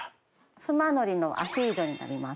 須磨海苔のアヒージョになります。